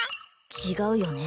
違うよね